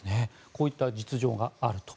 こういった実情があると。